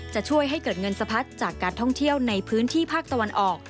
จะช่วยให้เกิดเงินสะพัดจากการท่องเที่ยวในพื้นที่ภาคตะวันออก